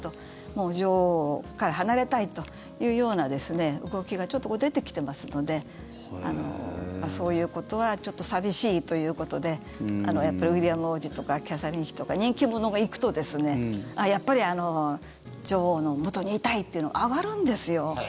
もう女王から離れたいというような動きがちょっと出てきていますのでそういうことはちょっと寂しいということでやっぱりウィリアム王子とかキャサリン妃とか人気者が行くとやっぱり女王のもとにいたいっていうのが上がるんですよ。